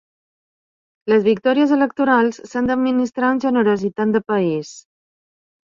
Les victòries electorals s’han d’administrar amb generositat de país.